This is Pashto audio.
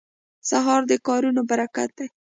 سهار د کارونو برکت دی.